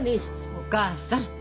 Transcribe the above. お母さん。